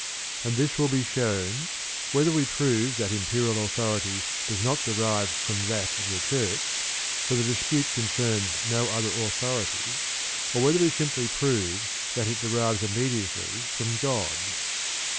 And this will be shown, whether we prove that Imperial authority does not derive from that of the Church (for the dispute con cerns no other authority), or whether we sim ply prove that it derives immediately from God.